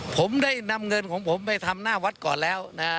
ผมได้นำเงินของผมไปทำหน้าวัดก่อนแล้วนะฮะ